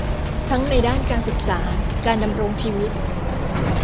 ทั้งในด้านการศึกษา การดำรงชีวิต